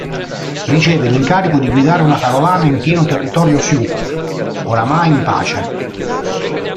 Riceve l'incarico di guidare una carovana in pieno territorio Sioux, oramai in pace.